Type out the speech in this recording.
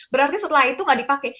berarti setelah itu nggak dipakai